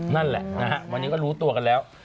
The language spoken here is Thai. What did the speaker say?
นั่นแหละนะฮะวันนี้ก็รู้ตัวกันแล้ว